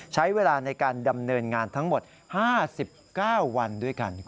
ใช้เวลาในการดำเนินงานทั้งหมด๕๙วันด้วยกัน